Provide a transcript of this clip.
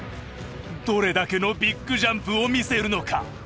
どれだけのビッグジャンプを見せるのか？